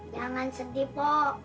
jangan sedih pok